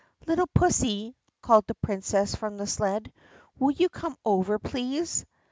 "Little pussy!" called the Princess from the sled. "Will you come over, please."